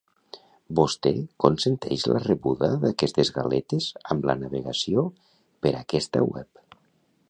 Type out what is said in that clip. Vostè consenteix la rebuda d'aquestes galetes amb la navegació per aquesta web.